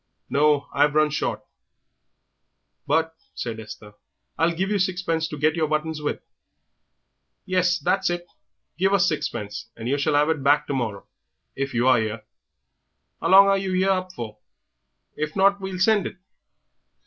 "No, I've run short." "But," said Esther, "I'll give you sixpence to get your buttons with." "Yes, that's it; give us sixpence, and yer shall have it back to morrow if you are 'ere. How long are yer up for? If not, we'll send it."